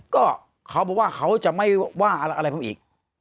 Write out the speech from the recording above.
ก็เขาบอกว่าเขาจะไม่ว่าอะไรเขาอีก